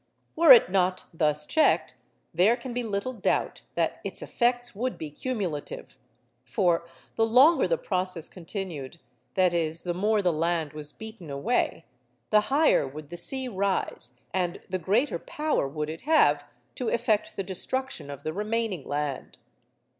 Were it not thus checked, there can be little doubt that its effects would be cumulative; for the longer the process continued—that is, the more the land was beaten away—the higher would the sea rise, and the greater power would it have to effect the destruction of the remaining land.